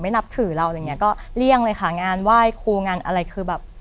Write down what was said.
นับถือเราอะไรอย่างเงี้ก็เลี่ยงเลยค่ะงานไหว้ครูงานอะไรคือแบบ